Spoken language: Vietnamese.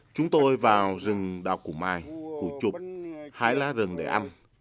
chúng tôi vào rừng đào củ mai củ trục hái lá rừng để ăn